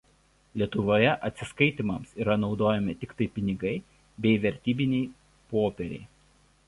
Lietuvoje atsiskaitymams yra naudojami tiktai pinigai bei vertybiniai popieriai.